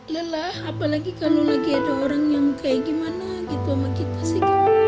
lelah apalagi kalau lagi ada orang yang kayak gimana gitu sama kita sih